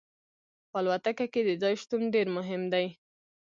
په الوتکه کې د ځای شتون ډیر مهم دی